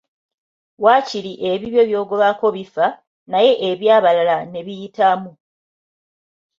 Wakiri ebibyo byogobako bifa naye ebyabalala ne biyitamu